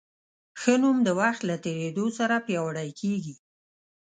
ښه نوم د وخت له تېرېدو سره پیاوړی کېږي.